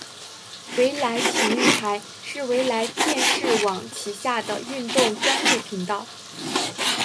纬来体育台是纬来电视网旗下的运动专业频道。